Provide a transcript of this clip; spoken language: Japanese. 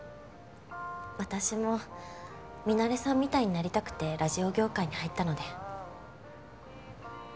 私もミナレさんみたいになりたくてラジオ業界に入ったので。